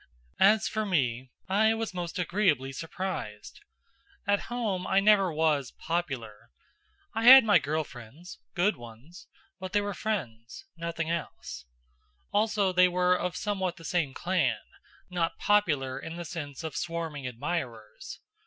As for me, I was most agreeably surprised. At home I never was "popular." I had my girl friends, good ones, but they were friends nothing else. Also they were of somewhat the same clan, not popular in the sense of swarming admirers.